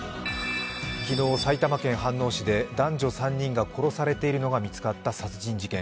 昨日、埼玉県飯能市で男女３人が殺されているのが見つかった殺人事件。